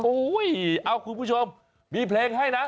โอ้โหเอาคุณผู้ชมมีเพลงให้นะ